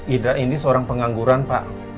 ida ini seorang pengangguran pak